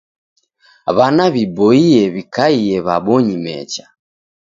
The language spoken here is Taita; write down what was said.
W'ana w'iboie w'ikaie w'abonyi mecha.